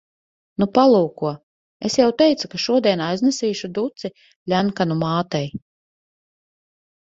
Nu, palūko. Es jau teicu, ka šodien aiznesīšu duci Ļenkanu mātei.